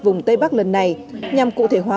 vùng tây bắc lần này nhằm cụ thể hóa